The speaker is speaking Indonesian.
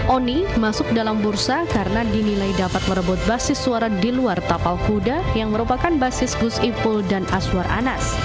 oni masuk dalam bursa karena dinilai dapat merebut basis suara di luar tapal kuda yang merupakan basis gus ipul dan aswar anas